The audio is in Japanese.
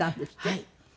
はい。